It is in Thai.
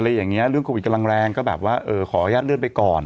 อย่างนี้เรื่องโควิดกำลังแรงก็แบบว่าเออขออนุญาตเลื่อนไปก่อน